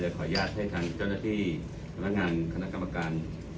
เดี๋ยวขออนุญาตให้ทางเจ้าหน้าที่ความรักงานคณะกำการ